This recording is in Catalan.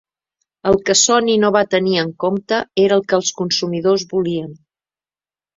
El que Sony no va tenir en compte era el que els consumidors volien.